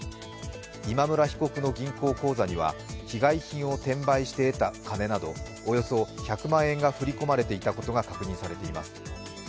今村被告の銀行口座には被害品を転売して得た金などおよそ１００万円が振り込まれていたことが確認されています。